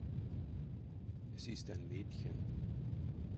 Es ist ein Mädchen.